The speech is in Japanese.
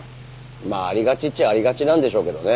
まあありがちっちゃありがちなんでしょうけどね。